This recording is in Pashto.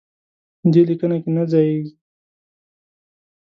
دې لیکنه کې نه ځایېږي.